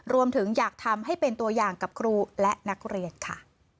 อยากทำให้เป็นตัวอย่างกับครูและนักเรียนค่ะ